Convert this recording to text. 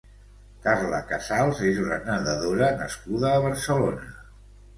Carla Casals és una nedadora nascuda a Barcelona.